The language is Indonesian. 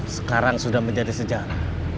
sekarang sudah menjadi sejarah